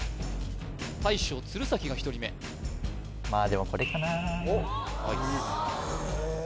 大将鶴崎が１人目まあでもこれかなあアイスへえあ